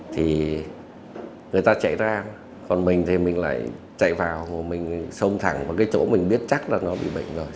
thì người ta chạy ra còn mình thì mình lại chạy vào mình xông thẳng vào cái chỗ mình biết chắc là nó bị bệnh rồi